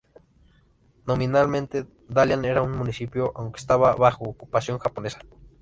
Nominalmente Dalian era un municipio, aunque estaba bajo ocupación japonesa.